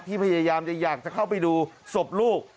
พยายามจะอยากจะเข้าไปดูศพลูก